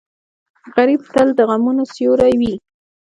غریب تل د غمونو سیوری وي